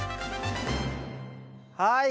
はい